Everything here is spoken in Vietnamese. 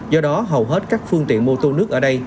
do đó hầu hết các phương tiện mô tô nước ở đây